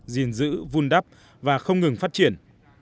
gìn giữ vun đắp và không ngừng phát triển